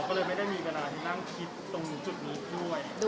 มีกันอะไรที่นั่งคลิปตรงจุดนี้ด้วย